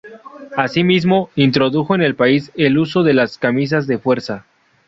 Asimismo, introdujo en el país el uso de las camisas de fuerza.